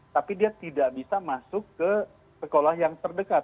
tapi dia tidak bisa masuk ke sekolah yang terdekat